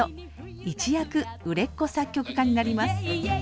一躍売れっ子作曲家になります。